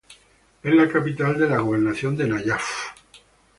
Es la capital de la gobernación de Nayaf.